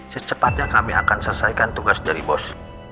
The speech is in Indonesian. secepatnya kami akan selesaikan tugas dari bos